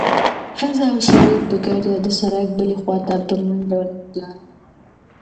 ښځه او سړی په ګډه د سړک بلې خوا ته په منډه لاړل.